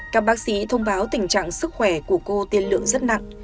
các bác sĩ thông báo tình trạng sức khỏe của cô tiên lượng rất nặng